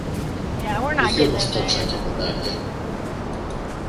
όχι όμως τόξα και κοντάρια.